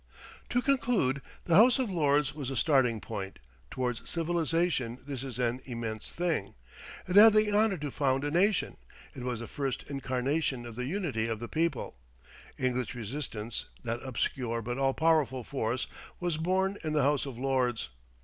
To conclude, the House of Lords was a starting point; towards civilization this is an immense thing. It had the honour to found a nation. It was the first incarnation of the unity of the people: English resistance, that obscure but all powerful force, was born in the House of Lords.